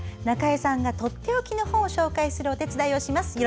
中江さんがとっておきの本を紹介するお手伝いをします。